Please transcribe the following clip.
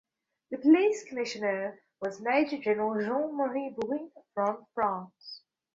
The police commissioner was Major-General Jean Marie Bourry from France.